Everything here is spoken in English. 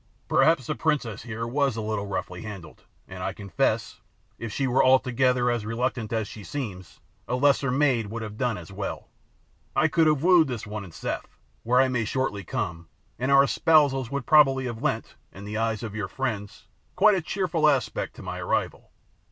Perhaps the princess here was a little roughly handled, and, I confess, if she were altogether as reluctant as she seems, a lesser maid would have done as well. I could have wooed this one in Seth, where I may shortly come, and our espousals would possibly have lent, in the eyes of your friends, quite a cheerful aspect to my arrival.